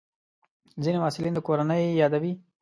ځینې محصلین د کورنۍ یادوي.